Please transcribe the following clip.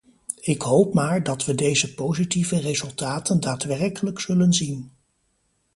Ik hoop maar dat we deze positieve resultaten daadwerkelijk zullen zien.